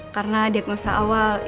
karena diagnosa awalnya